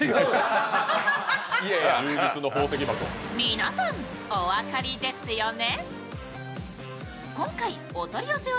皆さん、おわかりですよね？